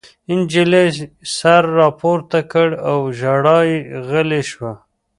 نجلۍ سر راپورته کړ او ژړا یې غلې شوه